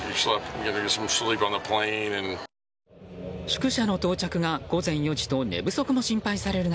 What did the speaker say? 宿舎の到着が午前４時と寝不足も心配される